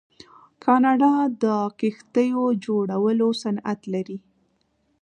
کاناډا د کښتیو جوړولو صنعت لري.